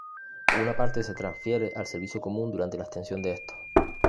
Una parte se transfiere al servicio común durante la extensión de estos.